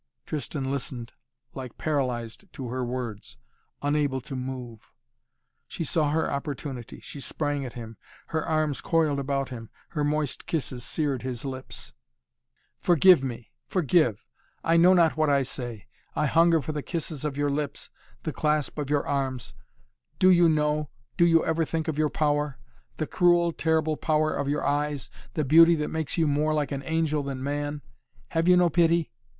Tristan listened like paralyzed to her words, unable to move. She saw her opportunity. She sprang at him. Her arms coiled about him. Her moist kisses seared his lips. "Oh Tristan Tristan," she pleaded, "forgive me, forgive! I know not what I say! I hunger for the kisses of your lips, the clasp of your arms! Do you know do you ever think of your power? The cruel terrible power of your eyes, the beauty that makes you more like an angel than man? Have you no pity?